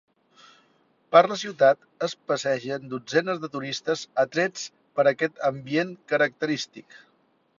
Per la ciutat, es passegen dotzenes de turistes atrets per aquest ambient característic.